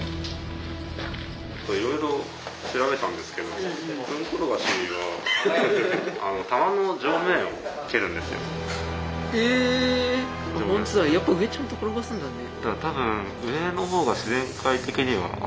いろいろ調べたんですけどホントだやっぱ上ちゃんと転がすんだね。